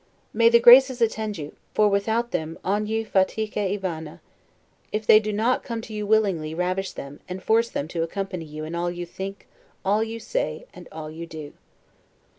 May the Graces attend you! for without them 'ogni fatica e vana'. If they do not come to you willingly, ravish them, and force them to accompany you in all you think, all you say, and all you do.